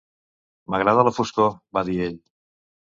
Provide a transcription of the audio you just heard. "M'agrada la foscor", va dir ell.